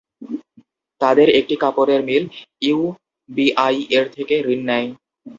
তাদের একটি কাপড়ের মিল ইউবিআই-এর থেকে ঋণ নেয়।